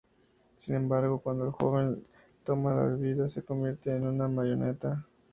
Sin embargo, cuando el joven toma la bebida, se convierte en una marioneta.